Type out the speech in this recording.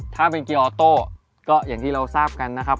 ถ้าเป็นเกียร์ออโต้ก็อย่างที่เราทราบกันนะครับ